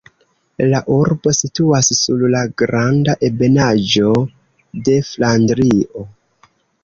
La urbo situas sur la granda ebenaĵo de Flandrio.